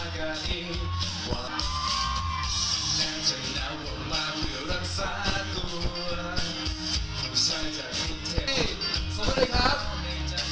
เนี่ยเค้าออกมาคนเดียวอ่ะเค้าให้เราออกมาคนเดียว